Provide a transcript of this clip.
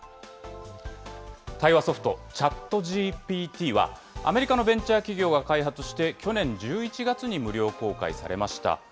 対話ソフト、チャットＧＰＴは、アメリカのベンチャー企業が開発して、去年１１月に無料公開されました。